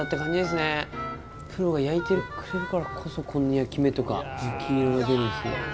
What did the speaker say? プロが焼いてくれるからこそこんな焼き目とか焼き色が出るんですね。